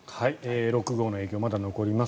６号の影響まだ残ります。